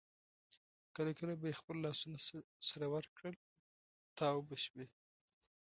کله کله به یې خپل لاسونه سره ورکړل او تاو به شوې.